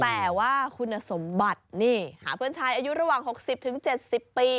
แต่ว่าคุณสมบัตินี่หาเพื่อนชายอายุระหว่างหกสิบถึงเจ็ดสิบปี